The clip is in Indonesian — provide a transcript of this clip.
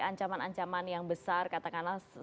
ancaman ancaman yang besar katakanlah